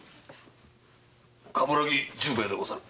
鏑木十兵衛でござる。